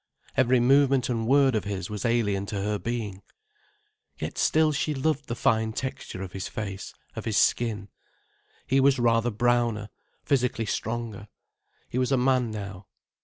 Every movement and word of his was alien to her being. Yet still she loved the fine texture of his face, of his skin. He was rather browner, physically stronger. He was a man now.